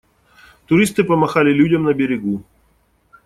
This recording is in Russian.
Туристы помахали людям на берегу.